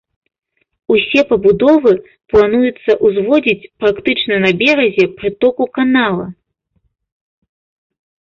Усе пабудовы плануецца ўзводзіць практычна на беразе прытоку канала.